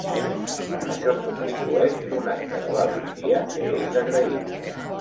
Això constitueix un acte de valentia que és d’agrair.